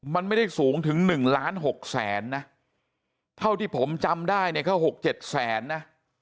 มันไม่ได้สูงถึง๑ล้าน๖แสนนะเท่าที่ผมจำได้เนี่ยแค่๖๗แสนนะ